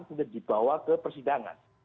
juga dibawa ke persidangan